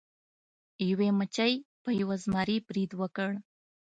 یوې مچۍ په یو زمري برید وکړ.